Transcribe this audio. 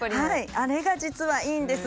あれが実はいいんです。